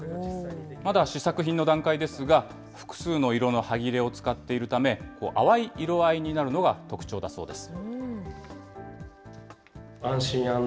まだ試作品の段階ですが、複数の色の端切れを使っているため、淡い色合いになるのが特徴だそうです。